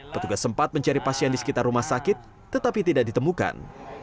petugas sempat mencari pasien di sekitar rumah sakit tetapi tidak ditemukan